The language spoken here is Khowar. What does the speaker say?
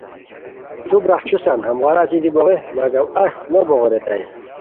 تو براخچوسان ہموغار اچی دی بوغے مگم اہی مو بوغے ریتائے